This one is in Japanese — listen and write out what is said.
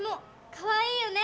かわいいよね！